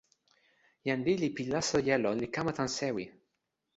jan lili pi laso jelo li kama tan sewi.